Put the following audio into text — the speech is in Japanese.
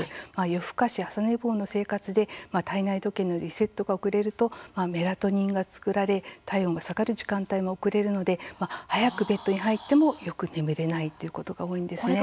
夜更かし朝寝坊の生活で体内時計のリセットが遅れるとメラトニンが作られ体温が下がる時間帯も遅れるので早くベッドに入ってもよく眠れないということが多いんですね。